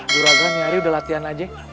juragan nyari udah latihan aja